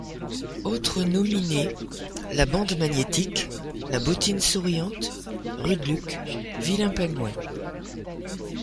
Autres nominés: la Bande Magnétik, la Bottine Souriante, Rude Luck, Vilain Pingouin.